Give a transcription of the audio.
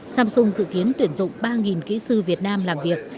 samsung dự kiến tuyển dụng ba kỹ sư việt nam làm việc